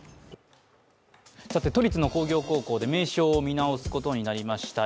都立の工業高校で名称を見直すことになりました。